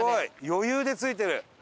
余裕で着いてる。